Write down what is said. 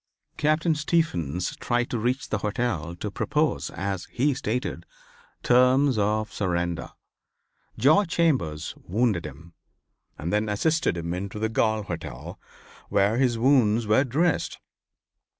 Captain Stephens tried to reach the hotel to propose, as he stated, terms of surrender. George Chambers wounded him, and then assisted him into the Galt hotel, where his wounds were dressed.